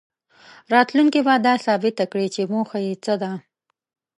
راتلونکې به دا ثابته کړي چې موخه یې څه ده.